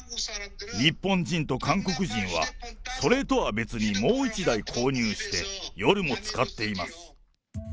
日本人と韓国人は、それとは別にもう１台購入して、夜も使っています。